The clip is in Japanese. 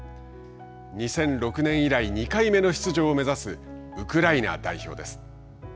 ２００６年以来、２回目の出場を目指すウクライナ代表です。